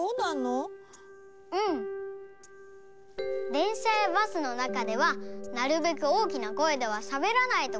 でんしゃやバスのなかではなるべく大きな声ではしゃべらないとか。